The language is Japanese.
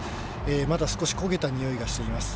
まだ少し焦げたにおいがしています。